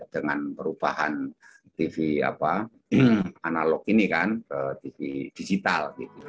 dengan perubahan tv analog ini kan ke tv digital